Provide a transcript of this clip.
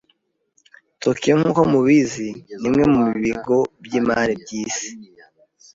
Tokiyo, nkuko mubizi, nimwe mubigo byimari byisi.